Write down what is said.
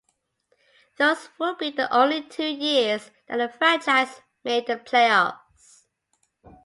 Those would be the only two years that the franchise made the playoffs.